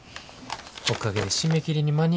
おかげで締め切りに間に合うわ。